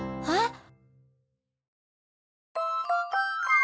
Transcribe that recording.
はい。